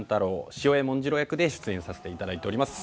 潮江文次郎役で出演させていただいております。